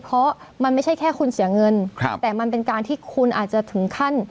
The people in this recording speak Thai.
เพราะมันไม่ใช่แค่คุณเสียเงินครับแต่มันเป็นการที่คุณอาจจะถึงขั้น